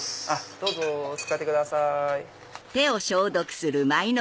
どうぞ使ってください。